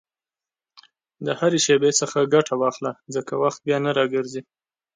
د هرې شېبې څخه ګټه واخله، ځکه وخت بیا نه راګرځي.